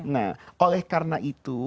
nah oleh karena itu